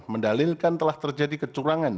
mendalilkan telah terjadi kecurangan